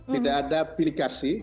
tidak ada pilih kasih